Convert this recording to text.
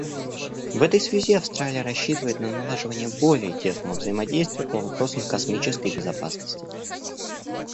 В этой связи Австралия рассчитывает на налаживание более тесного взаимодействия по вопросам космической безопасности.